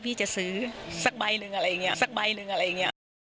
พี่จะซื้อสักใบหนึ่งอะไรอย่างนี้